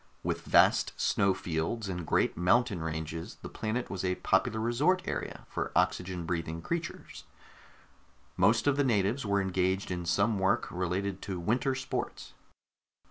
With its vast snow fields and great mountain ranges, the planet was a popular resort area for oxygen breathing creatures; most of the natives were engaged in some work related to winter sports.